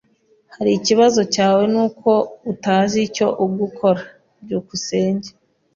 Ahari ikibazo cyawe nuko utazi icyo gukora. byukusenge